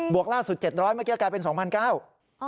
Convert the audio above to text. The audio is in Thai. บวกล่าสุด๗๐๐บาทเมื่อกี้แก่เป็น๒๙๐๐บาท